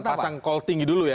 jadi pasang call thing dulu ya